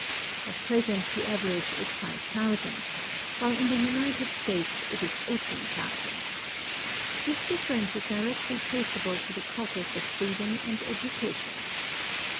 At present the average is five thousand, while in the United States it is eighteen thousand. This differ ence is directly traceable to the progress of freedom and educa tion.